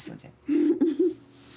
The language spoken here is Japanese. フフフフッ。